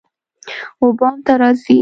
وبام ته راځی